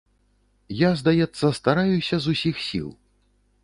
Я, здаецца, стараюся з усіх сіл.